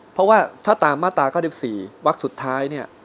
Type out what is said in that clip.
เพราะว่าถ้าตามมาตรากลับ๑๔วักท้าย